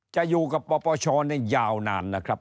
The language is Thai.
จะอยู่กับปปชยาวนานนะครับ